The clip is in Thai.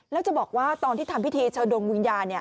แล้วจะบอกว่าตอนที่ทำพิธีเชิญดวงวิญญาณ